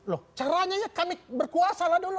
loh caranya ya kami berkuasa lah dulu